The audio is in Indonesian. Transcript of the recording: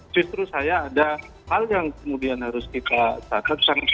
justru saya ada hal yang kemudian harus kita catat